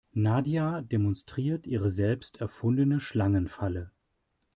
Nadja demonstriert ihre selbst erfundene Schlangenfalle.